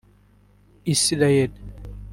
Israel